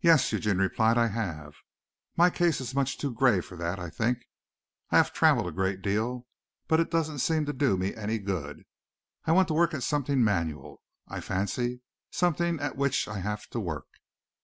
"Yes," Eugene replied, "I have. My case is much too grave for that, I think. I have traveled a great deal. But it doesn't seem to do me any good. I want work at something manual, I fancy something at which I have to work.